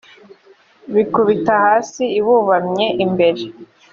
bikubita hasi i bubamye j imbere